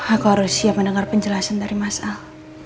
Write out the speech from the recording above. aku harus siap mendengar penjelasan dari mas al